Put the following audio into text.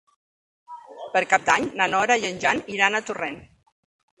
Per Cap d'Any na Nora i en Jan iran a Torrent.